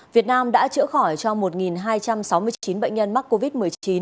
việt nam đã chữa khỏi cho một hai trăm sáu mươi chín bệnh nhân mắc covid một mươi chín